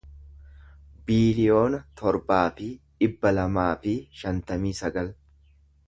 biiliyoona torbaa fi dhibba lamaa fi shantamii sagal